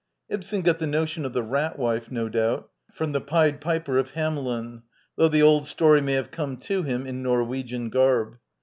Ibsen got the ^notion of the Rat Wi fe, no doubt, from the PieJTiper of Hameli n, thotrgh the old story may have come to him Tn Norwegian garb.